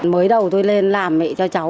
mới đầu tôi lên làm mẹ cho cháu